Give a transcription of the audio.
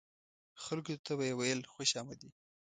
خلکو ته به یې ویل خوش آمدي.